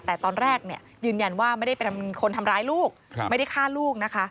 แต่ตอนแรกยืนยันว่าไม่ได้เป็นคนทำร้ายลูกไม่ได้ฆ่าลูกนะคะ